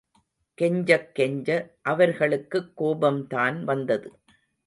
கெஞ்சக் கெஞ்ச, அவர்களுக்குக் கோபம்தான் வந்தது.